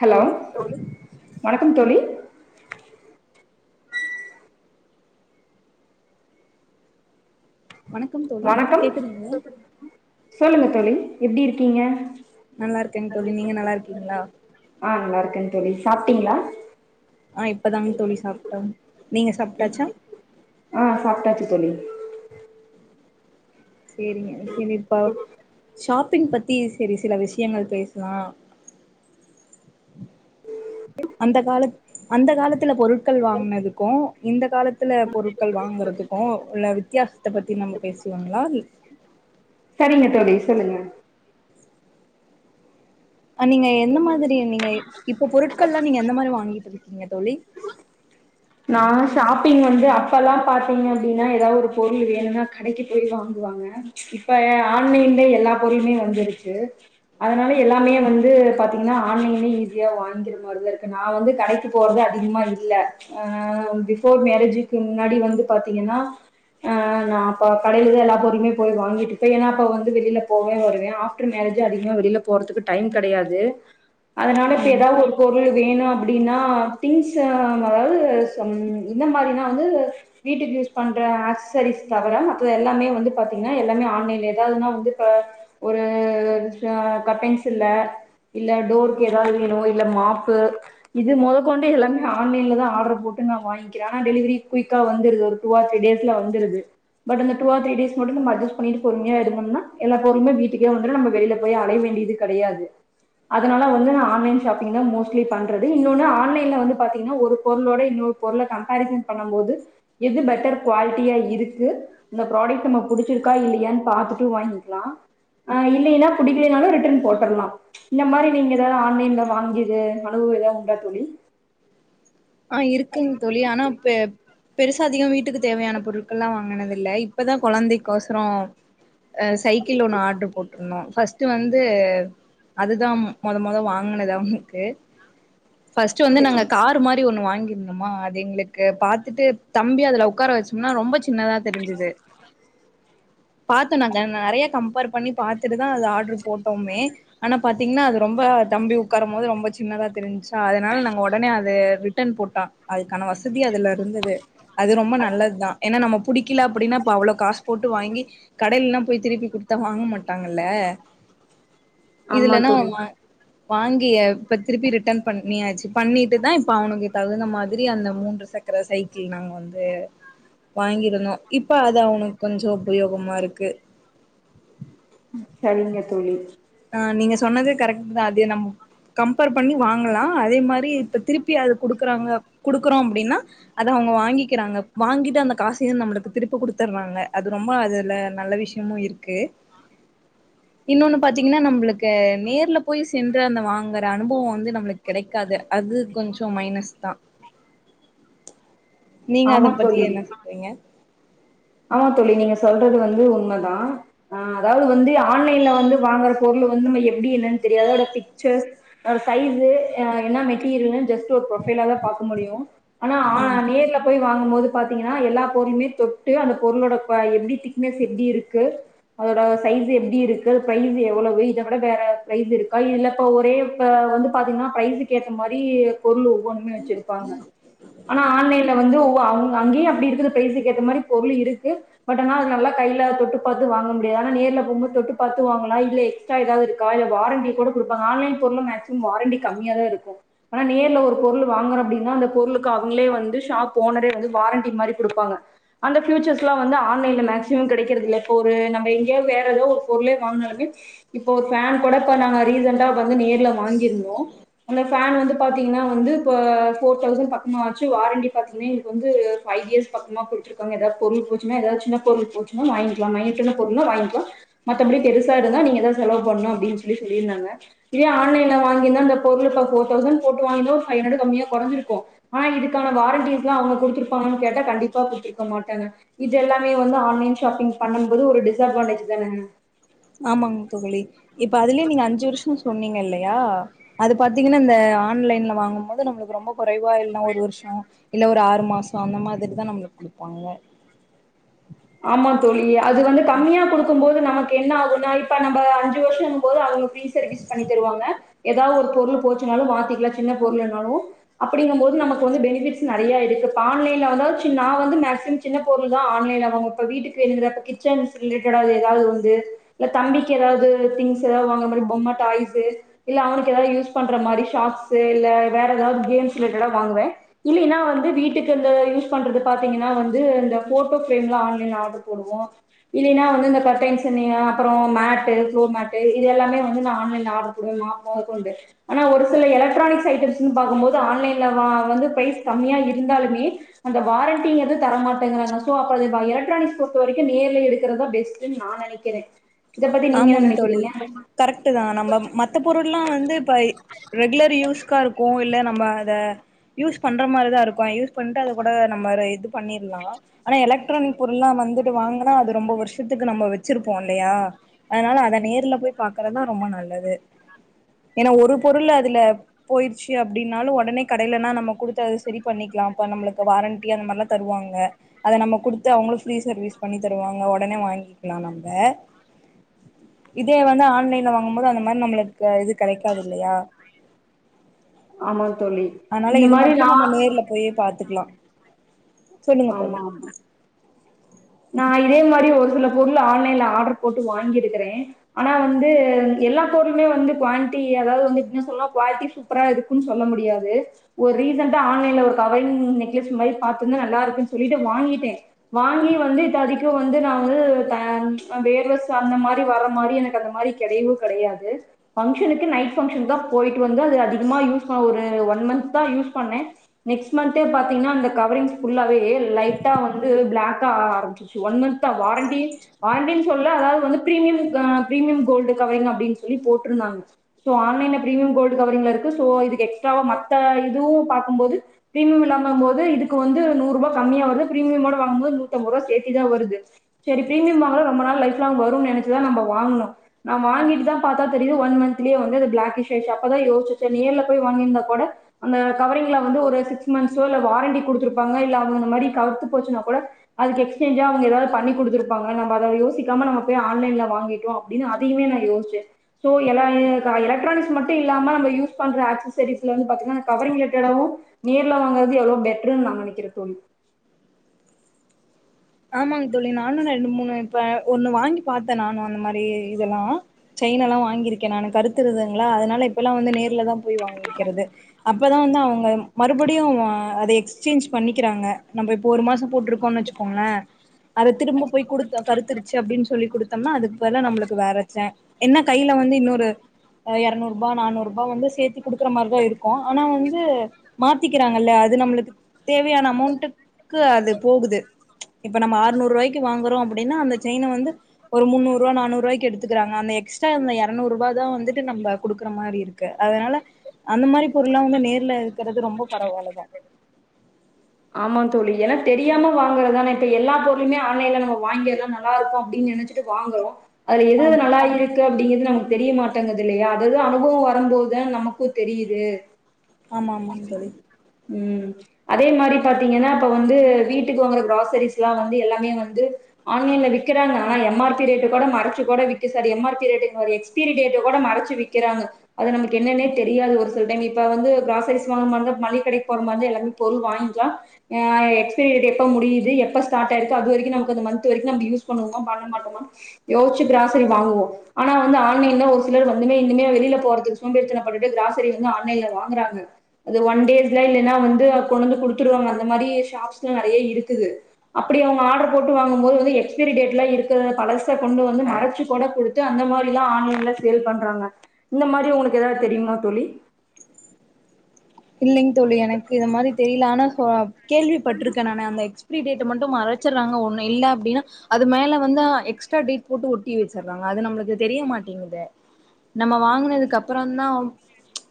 hello தோழி வணக்கம் தோழி வணக்கம் தோழி வணக்கம் கேக்குதுங்களா சொல்லுங்க தோழி எப்டி இருக்கீங்க நல்லா இருக்கேங்க தோழி நீங்க நல்லா இருக்கீங்களா ஆ நல்லா இருக்கே தோழி சாப்ட்டீங்ளா ஆ இப்பதாங்க தோழி சாப்ட்டோ நீங்க சாப்ட்டாச்சா ஆ சாப்ட்டாச்சு தோழி செரிங்க செரிப்பா ஷாப் பிங் பத்தி செரி சில விஷயங்கள் பேச்லா அந்த காலத் அந்த காலத்துல பொரு க்க வாங்குனதுக்கு இந்த காலத்துல பொருக்க வாங்குறதுக்கு உள்ள வித்தியாசத்த பத்தி நம்ம பேசு வாங்களா சரிங்க தோழி சொல்லுங்க நீங்க எந்த மாதிரி நீங்க இப்போ பொருட்கள்லா நீங்க எந்த மாரி வாங்கிட்ருக்கீங்க தோழி நா ஷாப்பிங் வந்து அப்பல்லா பாத் திங்க அப்டின்னா ஏதாவு ஒரு பொருள் வேணும்னா கடைக்கு போய் வாங்குவாங்க இப்ப ஆன்லைன்ல எல்லா பொரு ளுமே வந்துருச் அதனால எல்லாமே வந்து பாத்தீங்கன்னா ஆன்லைனிலேயே ஈஸியா வாங்கி [unintelligible] இருக்கு நா வந்து கடைக்கி போறது அதிகமா இல்ல அ பிஃபோர் மேரேஜுக்கு முன்னாடி வந்து பாத்தீங்கன்னா ஆ நா அப்ப கடையிலா தா எல்லா பொருள்மே போ வாங்கிட்டுப்பே ஏன்னா அப்ப வந்து வெளியில போவே வருவே ஆஃப்டர் மே ரேஜி அதிகமா வெளியில போறதுக்கு டைம் கெடையாது அதனால இப்ப ம் ஏதாவுது ஒரு பொருளு வேணு அப்டின்னா திங்ஸ்ஸு அதாவுது சொன் இந்த மாரிதா வந்து வீட்டுக்கு யூஸ் பண்ற அசசரிஸ் தவிர மத்தது எல் லாமே வந்து பாத்திங்கன்னா எல்லாமே ஆன்லைன்ல ஏதாவுதுனா வந்து இப்ப ஒரு கட்டைன்ஸ்ஸு இல்ல [inaudible] இல்ல டோருக்கு ஏதாவுது வேணு இல்ல மாப்பு இது மொதக்கொண்டு எல்லாமே ஆன்லைன்ல தா ஆடரு போட்டு நா வாங்க்கிறே ஆனா டெலிவரி குய்க்கா வந்துருது ஒரு டூ ஆர் த்ரி டேஸ்ல வந்துருது பட் அந்த டூ ஆர் த்ரி டேஸ் மட்டு நம்ம அட்ஜஸ் பண்ணிகிட்டு பொறுமையா இருந்தோம்னா எல்லா பொருளுமே வீட்டுக்கே வந்துரு நம்ப வெளியில போய் அழைய வேண் டியது கெடையாது அதனால வந்து நா ஆன்லைன் ஷாப்பிங் தா மோஸ்ட்லி பண்றது இன்னொன்னு ஆன்லைன்ல வந்து பாத்தீங்கன்னா ஒரு பொருளோட இன்னொரு பொருள கம்பேரிசன் பண்ணம்போது எது பெட்டர் குவாலிட்டியா இருக்கு இந்த ப்ராடக்ட் நம்ம புடிச்சிருக்கா இல்லியான்னு பாத்துட்டு வாங்கிக்கலா ஆ இல்லின்னா புடிக்கிலனாலு ரிட்டன் போட்டுடலா இந்த மாரி நீங்க ஏதாவுது ஆன்லைன்ல வாங்கிய்து அனு பவ எதா உண்டா தோழி ஆ இருக்குங் தோழி ஆனா இப்ப பெருசா அதிக வீட்டுக்கு தேவையான பொருட்கள்ல்லா வாங்கினது இல்ல இப்பதா கொழந்தைக்கோசர அ சைக்கி ஒண்ணு ஆர்டரு போட்ருந்தோ ஃபர்ஸ்ட் வந்து அதுதா மொத மொத வாங்கினது அவுன்க்கு ஃபஸ்ட் வந்து நாங்க சரிங்க காரு மா ஒன்னு வாங்கிருந்தமா அது எங்களுக்கு பாத்துட்டு தம்பி அதுல உக்கார வச்சோம்னா ரொம்ப சி ன்னதா தெரிஞ்சுது பாத்தோனாக்க நெறைய கம்பேர் பண்ணி பாத்துட்டு தா அது ஆர்டரு போட்டோமே ஆனா பாத்தீங்கன்னா அது ரொம்ப தம்பி உக்காருமோது ரொம்ப சின்னதா தெரிஞ்சு ஸோ அதனால நாங்க ஒடனே அது ரிட்டர்ன் போட்டோ அதுக்கான வசதி அதுல இருந்துது அது ரொம்ப நல்லதா ஏன்னா நம்ம புடிக்கில அப்டின்னா அப்ப அவ்ளோ காஸ் போட்டு வாங்கி கடையிலல்லா போய் திருப்பி குடுத்தா வாங்க மாட்டாங்கல்ல ஆமா இதுலனா தோழி அவுங்க வாங் வாங்கிய இப்ப திருப்பி ரிட்டன் பண்ணியாச்சு பண்ணிட்டு தா இப்ப அவுனுக்கு தகுந்த மாத்ரி அந்த மூன்று சக்கர சைக்கிள் நாங்க வந்து வாங்கி இருந்தோ இப்ப அது அவுனுக் கொஞ்சோ உபயோகமா இருக்கு ம் சரிங்க தோழி ஆ நீங்க சொன்னது கரெக்ட் தா அதே நம் கம்பேர் பண்ணி வாங்கலா அதே மாரி இப்ப திருப்பி அது குடுக்கறாங்க குடுக்குறோ அப்டின்னா அத அவு ங்க வாங்கிக்கிறாங்க வாங்கிட்டு அந்த காசுயு நம்பளுக்கு திருப்ப குடுத்தறாங்க அது ரொம்ப அதுல நல்ல விஷ்யமு இருக்கு இன்னொன்னு பாத்தீங்கன்னா நம்பளுக்கு நேரில போய் சென்று அந்த வாங்குற அனுபவ வந்து நம்பளுக்கு கெடைக்காது அது கொஞ்சோ மைனஸ் தா நீங்க அத ஆமா பத்தி தோழி என்ன சொல்றீங்க ஆமா தோழி நீங்க சொல்றது வந்து உண்மதா ஆ அதாவுது வந்து ஆன்லைன்ல வந்து வாங்கற பொரு ளு வந்து நம்ம எப்டி என்னனு தெரியாத பிக்சர்ஸு ம் சைஸ்ஸு ம் என்ன மெட்டீரியல்னு ஜஸ் டு ஒரு ப்ரோபை எல்லா பாக்க முடியு ஆனா ஆமா நேரில போய் வாங்கமோது பாத்தீங்கன்னா எல்லா பொருள்மே தொ ட்டு அந்த பொருளோட குவா எப்டி திக்னஸ் எப்டிருக்கு அதோட சைஸ் எப்டி இருக்கு ப்ரைஸ் எவ்வளவு இத விட வேற ப்ரைஸ் இருக்கா இல்ல இப்ப ஒரே இப்ப வந்து பாத்தீங்னா ப்ரைஸுக்கேத்த மாரி பொருள் ஒன்னு வெச்சிருப்பாங்க ஆனா ஆன்லைன்ல வந்து உ அவுங் அங்கயு அப்டி இருக்குது ப்ரைஸ்க்கேத்த மாரி பொருள் இருக்கு பட் ஆனா நல்லா கைல தொட்டு பாத்து வாங்க முடியாது ஆனா நேர்ல போம்போது தொட்டு பாத்து வாங்கலா இல்ல எக்ஸ்ட்ரா எதாவ்து இருக்கா இல்ல வாரண்டி கூட குடுப்பாங்க ஆன்லைன் பொருளுங்க ஆக்சுலி வாரண்டி கம்மியா தா இருக்கு ஆனா நேர்ல ஒரு பொருளு வாங்கறோ அப்டின்னா அந்த பொருளுக்கு அவங்ளே வந்து ஷாப் ஓனரே வந்து வாரண்டி மாரி குடுப்பாங்க அந்த ஃபியூச்சர்ஸ்லா வந்து ஆன்லைன்ல மேக்ஸிமம் கெடைக்கறதில்ல இப்போ ஒரு நம்ம எங்யோ வேற எதோ ஒரு பொருளே வாங்னாலுமே இப்போ ஒரு ஃபேன் கூட இப்ப நாங்க ரீசண்டா வந்து நேர்ல வாங்கிர்ந்தோ அந்த ஃபேன் வந்து பாத்தீங் னா வந்து இப்ப ஃபோர் தௌசன் பக்கமா ஆச்சு வாரண்டி பாத்தீங்னா இப்ப வந்து ஃபைவ் இயர்ஸ் பக்கமா போட்ருக் காங்க எதா பொருள் போச்சுனா எதாத் சின்ன பொருள் போச்சுனா வாங்கிக்கலா [unintelligible] பொருள்னா வாங்க்கோ மத்தபடி பெருசா இருந்தா நீங்க தா செலவு பண்ணு அப்டின் சொல்லி சொல்லிருந்தாங்க இதே ஆன்லைன்ல வாங்கிர்ந்தா அந்த பொருள் இப்ப ஃபோர் தௌசண் போட்டு வா ங்வோ ஃபைவ் ஹன்ட்ரெட் கம்மியா கொறஞ்சிருக்கு ஆனா இதுக்கான வாரண்டிஸ்ல்லா அவுங்க குடுத்தப்பாங்கனு கேட்டா கண்டிப்பா குடுத்துருக் க மாட்டாங்க இதெல்லாமே வந்து ஆன்லைன் ஷாப்பிங் பண்ணும் போது ஒரு டிஸ் அட்வான்டேஜ் தானங்க ஆமாங் தோழி இப்ப அதுலே நீங்க அஞ்சு வர்ஷோ சொன்னீங்கில்லயா அது பாத்தீங்கனா இந்த ஆன்லைன்ல வாங்கும்போது நம்ளுக் ரொம்ப குறைவா இல்னா ஒரு வருஷோ இல்ல ஒரு ஆறு மாசோ அந்த மாதிரி தா நம்ளுக் குடுப்பாங்க ஆமா தோழி அது வந்து கம்மியா குடுக்கும்போது ந மக் என்ன ஆகுன்னா இப்ப நம்ப அஞ்சு வர்ஷங்கும்போது அவுங்க ஃப்ரீ சர்வீஸ் பண்ணி தருவாங்க எதா ஒரு பொருளு போ போச்சுனாலு மாத்திக்கலா சின்ன பொருளுன்னாலு அப்படிங்கும் போது நமக்கு வந்து பெனிஃபிட்ஸ் நெறையா இருக்கு இப்ப ஆன்லைன்ல வந்து நா வந்து மேக்ஸிம் சின்ன பொருள் தா ஆன்லைன்ல வாங்வ இப்ப வீட்டுக்கு வேணுங்ற இப்ப கிச்சின் சிங்குக் எதாவ்து எதாவ்து வந்து எ தம்பிக் எதாவ்து திங்ஸ் எதா வாங்கற பொம்ம, டாய்ஸ்ஸு இல்ல அவனுக் எதாது யூஸ் பண்ற மாரி ஷாட்ஸ்ஸு இல்ல வேற எதாவ்து கேம்ஸ் ரிலேட்டடா வாங்குவே இல்லைனா வந்து வீட்டுக் இந்த யூஸ் பண்றது பாத்தீங்கனா வந்து இந்த ஃபோட்டோ ஃபிரேம்லா ஆன் லைன்ல ஆர்டர் போடுவோ இல்லைனா வந்து இந்த கர்ட்டைன்ஸ்ஸன்னயோ அப்றோ மேட்டு ஃப்ளோர் மேட்டு இது எல்லாமே வந்து நா ஆன்லைன்ல ஆர்டர் போடுவே [unintelligible] வந்து ஆனா ஒரு சில எலக்ட்ரானிக்ஸ் ஐட்டம்ஸுன் பாக்கும்போது ஆன்லைன்ல அ அது வந்து ப்ரைஸ் கம்மியா இருந்தாலுமே அந்த வாரண்டி எது தர மாட்டேங்கறாங்க சோ அப்ப அது வ எலக் ட்ரானிக்ஸ் பொறுத்த வரைக்கு நேர்ல எடுக்கறத் தா பெஸ்ட்டுன் நா நெனைக்கறே இத பத்தி நீங்க என்ன ஆமாங்க தோழி நெனைக்கறீங்க கரெக்ட்டு தா நம்ம மத்த பொருள்ல்லா வந்து இப்ப ரெகுலர் யூஸ் க்கா இருக்கு இல்ல நம்ம அத யூஸ் பண்ற மாரி தா இருக்கு யூஸ் பண்ட்டு அது கூட நம்ம ஒரு இது பண்ணீர்லா ஆனா எலக்ட்ரானிக் பொருள்ல்லா வந்துட்டு வாங்குனா அது ரொம்ப வர்ஷத்துக்கு நம்ம வெச்சிருப்போ இல்லயா அதுனால அத நேர்ல போய் பாக்கறதா ரொம்ப நல்லது ஏனா ஒரு பொருள் அதுல போயிடுச்சி அப்டின்னாலு ஒடனே கடைலன்னா நம்ம குடுத்து அது செரி பண்ணிக் லா அப்ப நம்மளுக்கு வாரண்டி அந்த மார்ல்லா தருவாங்க அத நம்ம குடுத்து அவுங்களு ஃப்ரீ சர்வீஸ் பண்ணி தருவாங்க ஒடனே வாங்கிக்கலா நம்ப இதே வந்து ஆன்லைன்ல வாங்கும் போது அந்த மார் நம்மளுக்கு இது கெடைக்காதில்லயா ஆமா தோழி அத்னால இந்த இது மாரி மட்டு நம்ம நான் நேர்ல போயே பாத்துக்லா ஆமாமா நா அதே மாரி ஒரு சில பொருள் ஆன்லைன்ல ஆர்டர் போட்டு வாங்கிருக்கறே ஆனா வந்து எல்லா பொருளுமே வந்து குவாண்ட்டி அதாவ்து வந்து எப்டி சொல்லா குவாலிட்டி சூப்பரா இருக்குன் சொல்ல முடியாது ஒரு ரீசன்டா ஆன்லைன் ல ஒரு கவரிங் நெக்லஸ் மாரி பாத்திர்ந்தே நல்லாரு ந்ச் சொல்லிட்டு வாங்கிட்டே வாங்கி வந்து இப்ப அதிகோ வந்து நா வந்து டேன்ஸ் அ வேர்வ சார்ந்த மாரி வர மாரி எனக்கு அந்த மாரி கெடையவு கெடையாது ஃபங்க்ஷனுக்கு நைட் ஃபங்க்ஷன்க் தா போய்ட் வந்து அது அதி கமா யூஸ் பண்ண ஒரு ஒன் மன்த் தா யூஸ் பண்ணே நெக்ஸ்ட் மன்த்தே பாத்தீங்னா அந்த கவரிங்ஸ் ஃபுல்லாவே லைட்டா வந்து பிளாக்கா ஆ ஆரம்பிச்சிர்ச்சு ஒன் மன்த் தா வாரண்டி வாரண்டி சொல்ல அதாவ்து வந்து பிரீமியம் அ பிரீமியம் கோல்டு கவரிங் அப்டின் சொல்லி போட்ருந்தாங்க சோ ஆன்லைன்ல பிரீமியம் கோல்டு கவரிங்ல இரு க்கு சோ இதுக்கு எக்ஸ்ட்ராவா மத்த இதுவு பாக்கும்போது பிரீமியம் இல்லாம போது இதுக்கு வந்து நூர்ருபா கம்மியா வருது பிரீமியமோட வாங்கும்போது நூத்தம்பர்ருவா சேத்தி தா வருது செரி பிரீமியம் வாங்குனா ரொம்ப நாள் லைஃப்லாங் வரு நென சிதான் நம்ம வாங்கணும் நா வாங்கிட்டு தான் பார்த்தா தெரியும் ஒன் மந்தலயே வந்து பிளக் அப்பவே யோசிச் வச்சிந்தே நேர்ல போய் வாங்கியிருந்தா கூட அந்த கவரிங்ல வந்து ஒரு சிக்ஸ் மந்த்ஸோ இல்ல வாரண்டி கொடுத்திருப்பாங்க இல்ல அவுங் மாரி கருத்து போச்சுன்னா கூட அது எக்ஸ்சேஞ்சாவது எதாவது பண்ணி குடுத்திருப்பாங்க நம்ப அத யோசிக்காம நம்ம போய் ஆன்லைன் ல்ல வாங்கிட்டோ அப்டின்னு அதையேமே நான் யோசச்சேன் சோ எல்லாமே இப எலக்ட்ரானிக்ஸ் மட்டும் இல்லாம நம்ம யூஸ் பண் ற ஆக்ஸஸரிஸ்லந்து பாத்தீங்கனா கவரிங்கல இருக்கறதவு நேர்ல வாங்கறது எவ்ளோ பெட்ருனு நான் நினைக்கிற தோழி ஆமாங்க தோழி நானும் ரெண்டு மூணு இப்ப ஒண்ணு வாங்கி பார்த்தேன் நானும் அந்த மாரி இதெல்லாம் செ யினலாம் வாங்கிருக்கேன் நானு கருத்துருதுங்கலா அதனால இப்பல்லாம் வந்து நேர்ல தான் போய் வாங்கிக்கிறது அப்பதான் வந்து அவங்க மறுபடியும் வ அதை எக்ஸ்சேஞ்ச் பண்ணிக்கிறாங்க நம்ம இப்ப ஒரு மாசம் போட்டுருக்கோனு வச்சுக்கோங்களேன் அதை திரும்ப போய் குடுத் கருத்துருச்சு அப்படின்னு சொல்லி குடுத் தோம்னா அதுக்கு பதல நம்மளுக்கு வேற வச்செய் என்ன கையில வந்து இன்னொரு எரநூறு ரூபாய் நானூறு ரூபாய் வந்து சேர்த்தி குடுக்குற மாதிரிதான் இருக்கும் ஆனா வந்து மாத்திக்கிறாங்கல்ல அது நம்மளுக்கு தேவையான அமௌண்ட்டுக்கு அது போகுது இப்ப நம்ம அறுநூறுவாய்க்கு வாங்குறோ அப்டின்னா அந்த செயினு வந்து ஒரு முன்னூறுவா நானூறுவாய்க்கு எடுத்துக்கராங்க எக்ஸ் எக்ஸ்டா அந்த எரநூறு ரூபா தான் வந்துட்டு நம்ம குடுக்குற மாதிரி இருக்கு அதனால அந்த மாதிரி பொருள்லாம் வந்து நேர்ல விக்கறது ரொம்ப பரவால்லதான் ஆமாம் தோழி ஏனா தெரியாம வாங்குறதானே இப்போ எல்லா பொருளுையுமே ஆன்லைனில் நம்ம வாங்கிறதுதான் நல்லாயிருக்கும் அப்டின்னு நினச்சு வாங்குறோம் அது எது ஆமா நல்லா இருக்கு அப்படிங்கிறது நமக்கு தெரிய மாட்டேங்கது இல்லையா அதாவது அனுபவம் வரும்போதுத நமக்கும் தெரியுது ஆமா ஆமாங் தோழி உம் அ பாத்தீங்கன்னா இப்ப வந்து வீட்டுக்கு வாங்கற கிராசரிஸ் எல்லாம் வந்து எல்லாமே வந்து ஆன்லைன்ல விக்கிறாங்க ஆனா எம் ஆர் பி ரேட்ட கூட மறைச்சு கூட விக்க சார் எம் ஆ ரே எக்ஸ்பேரி கூட மறைச்சு விக்கிறாங்க அது நம்ம என்னனே தெரியாது ஒரு சில டைம் இப்ப வந்து கிராஸரிஸ் வாங்க மளிக கடை போகுபோது எல்லைக் பொருள் வாங் கா ஹ எக்ஸ்பரி டேட்டோ முடியுது எப்பஸ்டாட் ஆயிருக்கு அது வரைக்கும் மந்த் வரைக்கும் யூஸ் பண்ணுவோ பாட் மொத்தமா யோசிச்சு கிராசரி வாங்குவோம் ஆனா வந்து ஆன்லைன்ல ஒரு சிலர் வந்துமே இனிமே வெளியில போறதுக்கு சோம்பேரித்தனபட்டுட்டு கிராசரி வந்து ஆன்லைன்ல வாங்கறாங்க அது ஒன் டேஸ் இல்ன்னா வந்து கொண்டுந்து குடுத்து திரியு அந்த மாதிரி ஷாப்ஸ்லாம் நிறைய இருக்குது அப்படி அவங்க ஆர்டர் போட்டு வாங்கும் போது வந்து எக்ஸ்பரி டேட்லா இருக் இருக்கிற பழசை கொண்டு வந்து மறைச்சு கூட கொடுத்து அந்த மாதிரி தான் ஆன்லைன்ல சேல் பண்றாங்க இந்த மாரி உங்களுக்கு ஏதாவது தெரியுமா தோழி இல்லைங்க தோழி எனக்கு இந் மாதிரி தெரியல ஆனா கேள்விப்பட்டிருக்கேன் நானு அந்த எக்ஸ் பிரி டேட்ட மட்டும் மறச்சிற்றாங்க ஒண்ணு இல்லன்னா அப்டின்னா அது மேல வந்து எக்ஸ்ட்ரா டேட் போட்டு ஒட்டி வச்சுறாங்க அது நம்மளுக்கு தெரிய மாட்டேங்குதே நம்ம வாங்கினதுக்கு அப்புறம் தான்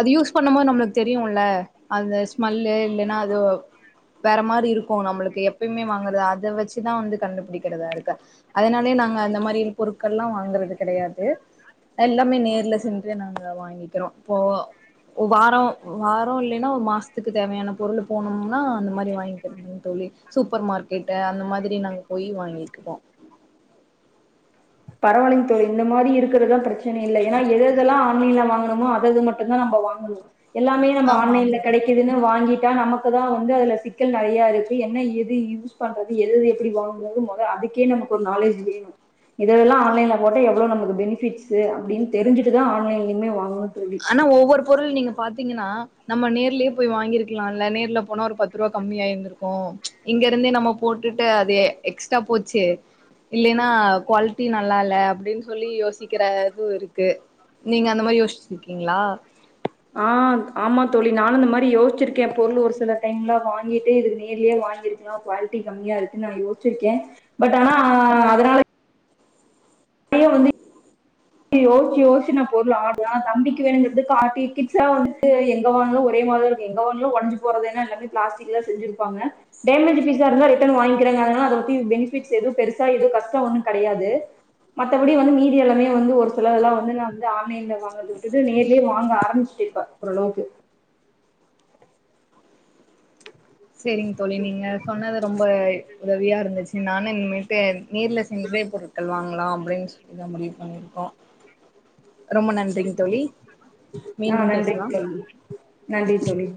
அது யூஸ் பண்ணும் போது நம்மளுக்கு தெரியுல் ல அந்த ஸ்மெல்லு இல்லன்னா அது வேற மாதிரி இருக்கும் நம்மளுக்கு எப்பயுமே வாங்குறது அதை வச்சுதான் வந்து கண்டுபிடிக்கிறதா இருக்கு அதனாலயே நாங்க அந்த மாரியான பொருட்கள்ல்லாம் வாங்கறது கிடையாது எல்லாமே நேர்ல சென்று நாங்க வாங்கிக்கிறோம் இப்போ வாரோம் வாரோம் இல்லைன்னா ஒரு மாசத்துக்கு தேவையான பொருள் போனும்னா அந்த மாதிரி வாங்கிக்கறதுங்க தோழி சூப்பர் மார்க்கெட் அந்த மாதிரி நாங்க போய் வாங்கிக்குவோம் பரவாலிங் தோழி இந்த மாதிரி இருக்கிறதுதான் பிரச்சனை இல்லை ஏன்னா எததெல்லாம் ஆன்லைன்ல வாங்கரமோ அதது மட்டுந்தான் நம்ப வாங்கனும் எல்லாமே நம்ம ஆமா ஆன்லைன்ல ஆமா கிடைக்குதுன்னு வாங்கிட் டா நமக்கு தான் வந்து அதுல சிக்கல் நிறையா இருக்கு என்ன எது யூஸ் பண்றது எதது எப்படி வாங்கறது முதல் அதுக்கே நமக்கு ஒரு நாலேஜ் வேணும் இதெல்லாம் ஆன்லைன்ல போட்ட எவ்வளவு நமக்கு பெனிபிட்ஸு அப்படின் தெரிஞ்சுட்டுதான் ஆன்லயுமே வாங்கணும் தோழி ஆனா ஒவ்வொரு பொருள் நீங்க பாத்தீங்கன்னா நம்ம நேர்லயே போய் வாங்கிருக்கலால்ல நேர்ல போனா ஒரு பத்து ரூபா கம்மியாயிந்ருக்கும் இங்க இருந்தே நம்ம போன் போட்டுட்டு அது எக்ஸ்ட்ரா போச்சு இல்லலைன்னா குவாலிட்டி நல்லா இல்ல அப்படின்னு சொல்லி யோசிக்கிற இதுவும் இருக்கு நீங்க அந்த மாரி யோசிச்சிருக்கீங்களா ஆந் ஆமா தோழி நானு அந்த மாரி யோசிச்சிருக்கே பொருளு ஒரு சில டைம்ல வாங்கிட்டு இதுகு நேர்லியே வாங்கி ருக்லா குவால்ட்டி கம்மியா இருக்குன் நா யோச்சிருக்கே பட் ஆனா அதனால ப்பையு வந்து டி யோசிச்சி யோசிச்சி நா பொருள் [inaudible] தம்பிக்கு வேணுங்றது [unintelligible] கிட்ஸ்சா வந்துட்டு எங்க வாங்னலு ஒரே மார்தாருக்கு எங்க வாங்னலு ஒஞ்சி போறதான எல்லாத்தியு பிளாஸ்ட்டிக்லதா செஞ்சிருப்பாங்க டேமேஜு பீஸாருந்தா ரிட்டன் வாய்ங்கிறேன் அதனால‌ அத பத்தி பெனிஃபிட்ஸ் எது பெருசா எதுவு கஷ்டோ ஒன்னு கெடையாது மத்தபடி வந்து மீதி எல்லாமே வந்து ஒரு சிலதெல்லா வந்து நா வந்து ஆன்லைன்ல வாங்கறத விட்டுட்டு நேர்லியே வாங்க ஆரமிச்ட்டே இப்ப ஒரளவுக்கு செரிங் தோழி நீங்க சொன்னது ரொம்ப உதவியாருந்துச்சு நானு இன்மேட்டு நேர்ல சென்றே பொருட்கள் வாங்லா அப்டின் சொல்லிதா முடிவு பண்ணிரு ஒ ரொம்ப நன்றிங் தோழி ஆஹ் மீண்டும் நன்றி பேசலாம் தோழி நன்றி தோழி